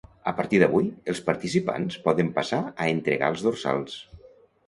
A partir d'avui, els participants poden passar a entregar els dorsals.